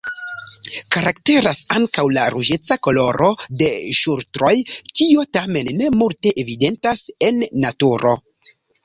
Karakteras ankaŭ la ruĝeca koloro de ŝultroj, kio tamen ne multe evidentas en naturo.